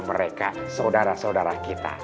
mereka saudara saudara kita